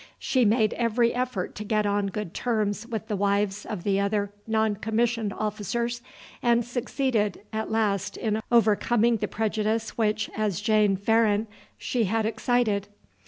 She made every effort to get on good terms with the wives of the other non commissioned officers, and succeeded at last in overcoming the prejudice which, as Jane Farran, she had excited.